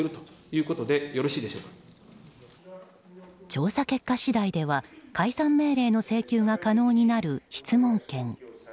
調査結果次第では解散命令の請求が可能になる質問権。